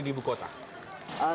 di ibu kota